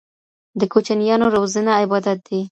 د کوچنيانو روزنه عبادت دی.